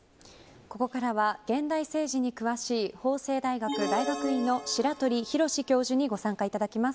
ここからは、現代政治に詳しい法政大学大学院の白鳥浩教授にご参加いただきます。